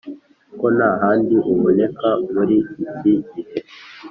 ko nta handi uboneka muri iki gihe !